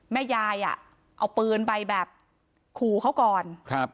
แม่ยายเอาปืนไปแบบขู่เขาก่อน